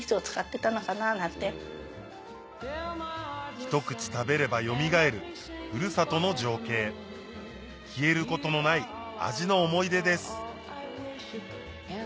一口食べればよみがえるふるさとの情景消えることのない味の思い出です